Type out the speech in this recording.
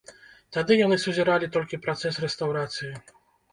Тады яны сузіралі толькі працэс рэстаўрацыі.